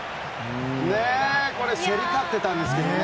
競り勝ってたんですけどね。